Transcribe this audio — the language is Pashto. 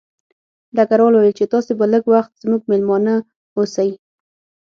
ډګروال وویل چې تاسې به لږ وخت زموږ مېلمانه اوسئ